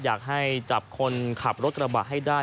อยากให้จับคนขับรถกระบะให้ได้